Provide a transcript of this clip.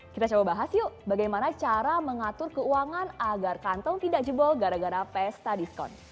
kita coba bahas yuk bagaimana cara mengatur keuangan agar kantong tidak jebol gara gara pesta diskon